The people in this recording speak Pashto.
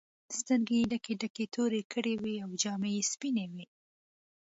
سترګې یې ډکې ډکې تورې کړې وې او جامې یې سپینې وې.